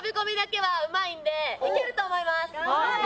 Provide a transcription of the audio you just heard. いけると思います！